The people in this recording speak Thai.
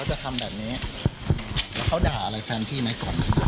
จักรบีไปต่อ